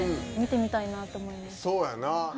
そうやな。